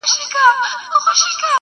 تر ښایست دي پر آواز باندي مین یم!.